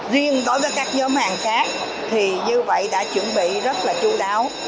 riêng đối với các nhóm hàng khác như vậy đã chuẩn bị rất chú đáo